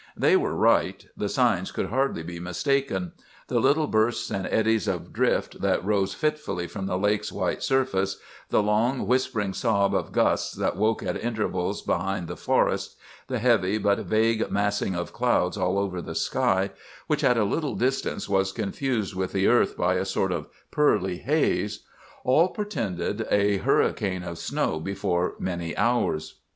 "They were right; the signs could hardly be mistaken. The little bursts and eddies of drift that rose fitfully from the lake's white surface; the long, whispering sob of the gusts that woke at intervals behind the forests; the heavy but vague massing of clouds all over the sky, which at a little distance was confused with the earth by a sort of pearly haze—all portended a hurricane of snow before many hours.